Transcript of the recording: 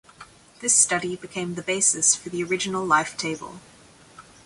This study became the basis for the original life table.